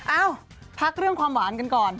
เอ้าพักเรื่องความหวานกันก่อน